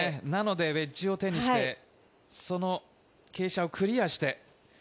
ウェッジを手にして、傾斜をクリアして。